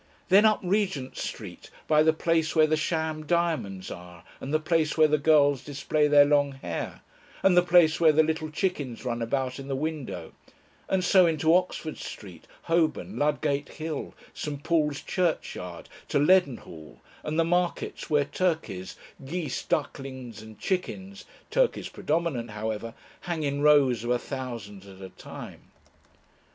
Then up Regent Street by the place where the sham diamonds are, and the place where the girls display their long hair, and the place where the little chickens run about in the window, and so into Oxford Street, Holborn, Ludgate Hill, St. Paul's Churchyard, to Leadenhall, and the markets where turkeys, geese, ducklings, and chickens turkeys predominant, however hang in rows of a thousand at a time.